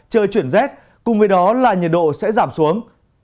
trời chuyển rét cùng với đó là nhiệt độ sẽ giảm xuống